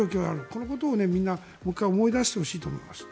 このことをみんなもう１回思い出してほしいと思います。